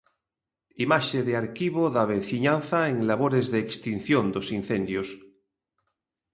Imaxe de arquivo da veciñanza en labores de extinción dos incendios.